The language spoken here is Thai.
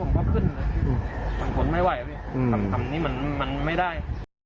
อันนี้ผมก็ขึ้นสังผลไม่ไหวทำนี้มันไม่ได้